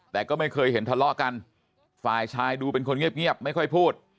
แต่ก็ไม่เคยเห็นทะเลาะกันฝ่ายชายดูเป็นคนเงียบไม่ค่อยพูด